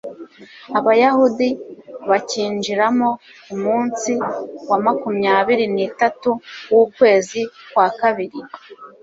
abayahudi bacyinjiramo ku munsi wa makumyabiri n'itatu w'ukwezi kwa kabili